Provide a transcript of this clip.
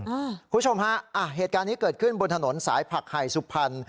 คุณผู้ชมฮะอ่ะเหตุการณ์นี้เกิดขึ้นบนถนนสายผักไห่สุพรรณ